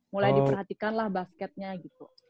mulai diperhatikanlah basketnya gitu